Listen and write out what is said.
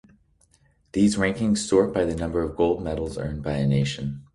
These rankings sort by the number of gold medals earned by a nation.